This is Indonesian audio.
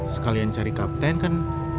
sekalian cari kapten kan